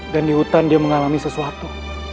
di hutan dia mengalami sesuatu